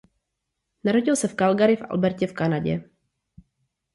Narodil se v Calgary v Albertě v Kanadě.